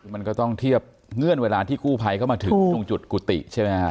มันก็ต้องเทียบเงื่อนเวลาที่กู้ภัยเข้ามาถึงตรงจุดกุฏิใช่ไหมฮะ